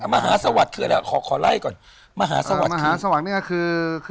มหาสวัสดิ์คืออะไรขอไล่ก่อนมหาสวัสดิ์คือมหาสวัสดิ์คือ